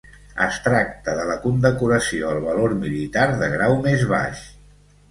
Es tracta de la condecoració al valor militar de grau més baix.